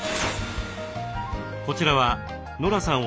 こちらはノラさん